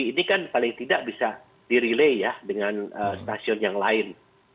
ini kan paling tidak bisa di relay ya dengan stasiun yang lain